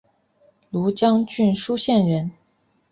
庐江郡舒县人。